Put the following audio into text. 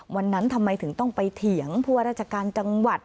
วันนั้นทำไมถึงต้องไปเถียงผู้ว่าราชการจังหวัด